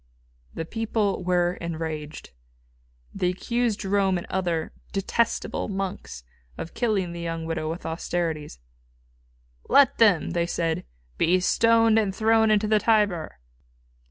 The people were enraged. They accused Jerome, and other "detestable monks" of killing the young widow with austerities. "Let them," they said; "be stoned and thrown into the Tiber."